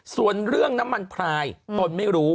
ส่วนเรื่องน้ำมันพลายตนไม่รู้